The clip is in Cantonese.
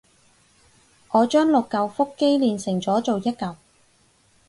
我將六舊腹肌鍊成咗做一舊